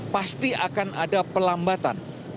pasti akan ada perlambatan